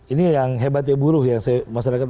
ini yang hebat ya buruh yang masyarakat